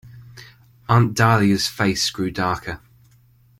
Aunt Dahlia's face grew darker.